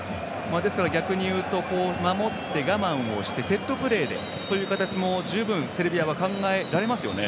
逆に言うと守って我慢してセットプレーで奪うということは十分、セルビアは考えられますね。